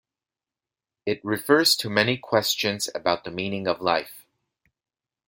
It refers to many questions about the meaning of life.